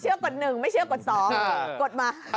เชื่อกดหนึ่งไม่เชื่อกดสองกดมา